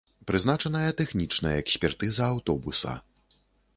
Прызначаная тэхнічная экспертыза аўтобуса.